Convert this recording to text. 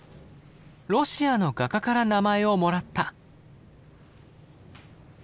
ロシアの画家から名前をもらった。